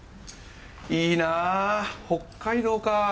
いいなあ北海道か。